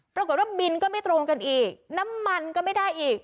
บินก็ไม่ตรงกันอีกน้ำมันก็ไม่ได้อีก